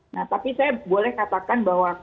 nah tapi saya boleh katakan bahwa